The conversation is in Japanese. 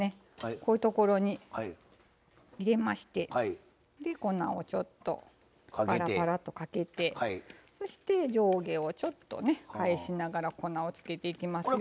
こういうところに入れまして粉をちょっとパラパラとかけてそして上下をちょっと返しながら粉をつけていきますよ。